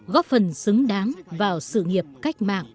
góp phần xứng đáng vào sự nghiệp cách mạng